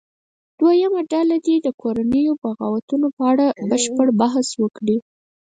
دویمه ډله دې د کورنیو بغاوتونو په اړه بشپړ بحث وکړي.